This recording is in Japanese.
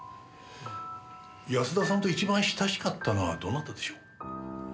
安田さんと一番親しかったのはどなたでしょう？